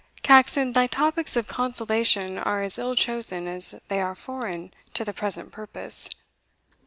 Caxon, thy topics of consolation are as ill chosen as they are foreign to the present purpose.